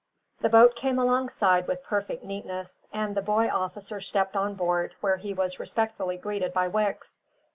The boat came alongside with perfect neatness, and the boy officer stepped on board, where he was respectfully greeted by Wicks.